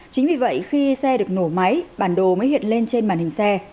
chính vì vậy khi xe được nổ máy bản đồ mới hiện lên trên màn hình xe